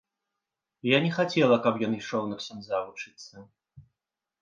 Я не хацела, каб ён ішоў на ксяндза вучыцца.